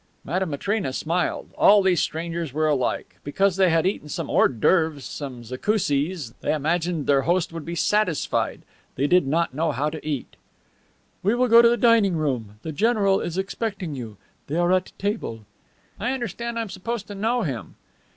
Madame Matrena smiled. All these strangers were alike. Because they had eaten some hors d'oeuvres, some zakouskis, they imagined their host would be satisfied. They did not know how to eat. "We will go to the dining room. The general is expecting you. They are at table." "I understand I am supposed to know him."